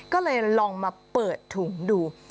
ก็เลยลองมาเปิดถุงดู